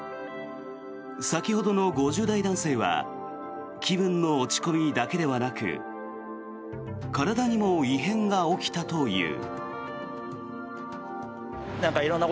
先ほどの５０代男性は気分の落ち込みだけでなく体にも異変が起きたという。